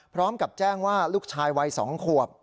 พร้อมกับแจ้งว่าลูกชายวัย๒ขวบ